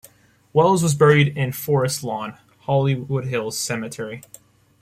Wells was buried in Forest Lawn - Hollywood Hills Cemetery.